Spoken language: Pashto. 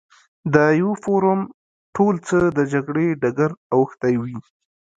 د یوه فورم ټول څه د جګړې ډګر اوښتی وي.